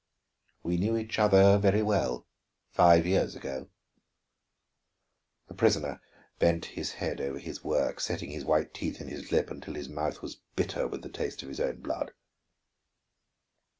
"We knew each other very well, five years ago " The prisoner bent his head over his work, setting his white teeth in his lip until his mouth was bitter with the taste of his own blood.